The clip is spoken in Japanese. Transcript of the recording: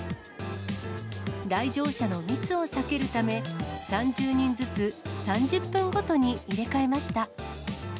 来場者の密を避けるため、３０人ずつ３０分ごとに入れ替えました。